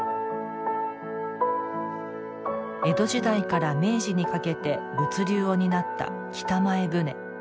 江戸時代から明治にかけて物流を担った「北前船」。